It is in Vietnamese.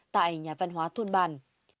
tại nhà văn hóa thôn bàn